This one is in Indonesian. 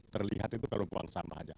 terlihat itu kalau buang sampah saja